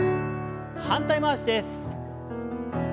反対回しです。